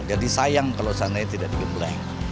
jadi sayang kalau seandainya tidak digembleng